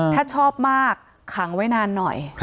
ถ้าชอบมากขังไว้นานหน่อย